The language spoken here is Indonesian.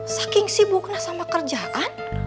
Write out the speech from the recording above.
saking sibuk sama kerjaan